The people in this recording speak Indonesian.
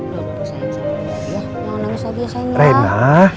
ya udah ya jangan nangis lagi ya sayang ya